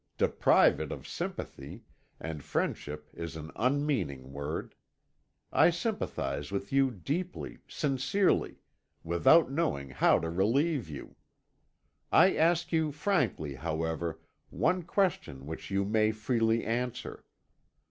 Deprive it of sympathy, and friendship is an unmeaning word. I sympathise with you deeply, sincerely, without knowing how to relieve you. I ask you frankly, however, one question which you may freely answer.